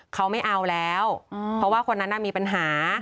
เขาไม่เอาแล้วเพราะว่าคนนั้นมีปัญหา